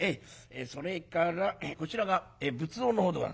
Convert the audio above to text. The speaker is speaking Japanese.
それからこちらが仏像のほうでございます。